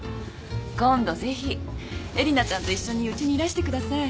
今度ぜひえりなちゃんと一緒にうちにいらしてください。